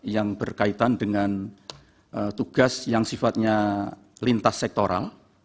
yang berkaitan dengan tugas yang sifatnya lintas sektoral